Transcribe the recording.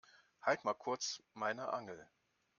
Halt mal kurz meine Angel.